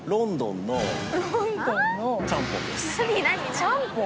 ちゃんぽん？